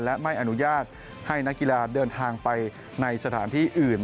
และไม่อนุญาตให้นักกีฬาเดินทางไปในสถานที่อื่น